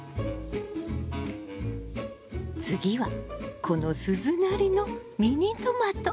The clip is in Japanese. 次はこの鈴なりのミニトマト！